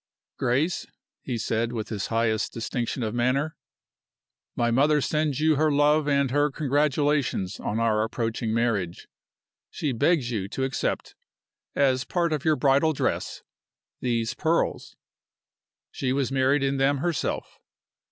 "Grace," he said, with his highest distinction of manner, "my mother sends you her love and her congratulations on our approaching marriage. She begs you to accept, as part of your bridal dress, these pearls. She was married in them herself.